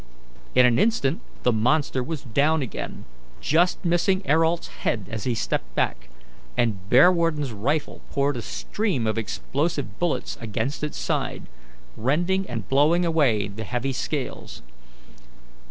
In an instant the monster was down again, just missing Ayrault's head as he stepped back, and Bearwarden's rifle poured a stream of explosive balls against its side, rending and blowing away the heavy scales.